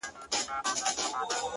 نو ژوند وي دغسي مفت يې در واخله خدایه!!